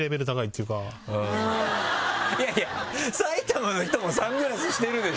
いやいや埼玉の人もサングラスしてるでしょ。